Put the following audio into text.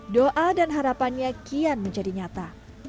doa dan harapannya kian menjadi nyata